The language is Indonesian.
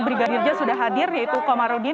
brigadirnya sudah hadir yaitu komarudin